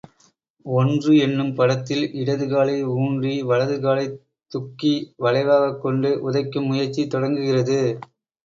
ஒன்று என்னும் படத்தில் இடது காலை ஊன்றி வலது காலைத் துக்கி வளைவாகக் கொண்டு உதைக்கும் முயற்சி தொடங்குகிறது.